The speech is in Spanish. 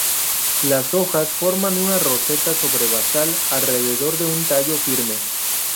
Las hojas forman un roseta sobre basal alrededor de un tallo firme.